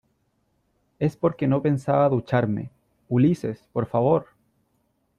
es porque no pensaba ducharme . Ulises , por favor ,